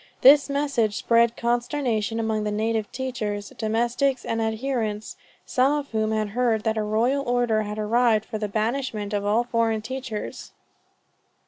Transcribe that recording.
This message spread consternation among the native teachers, domestics and adherents, some of whom heard that a royal order had arrived for the banishment of all foreign teachers.